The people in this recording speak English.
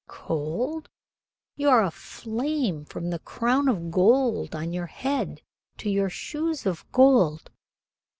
"Cold? You are a flame from the crown of gold on your head to your shoes of gold."